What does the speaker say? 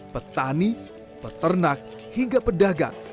petani peternak hingga pedagang